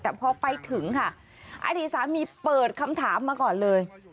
แต่พอไปถึงค่ะอดีตสามีเปิดคำถามมาก่อนเลย